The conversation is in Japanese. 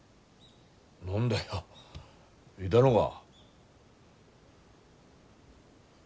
何だよいだのが。